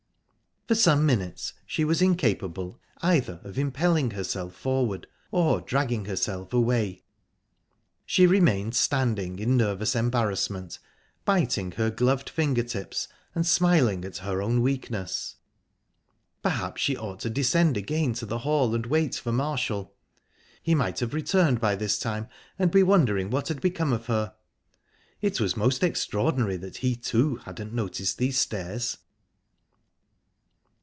For some minutes she was incapable either of impelling herself forward or dragging herself away. She remained standing in nervous embarrassment, biting her gloved fingertips, and smiling at her own weakness. Perhaps she ought to descend again to the hall and wait for Marshall. He might have returned by this time, and be wondering what had become of her...It was most extraordinary that he, too, hadn't noticed these stairs!...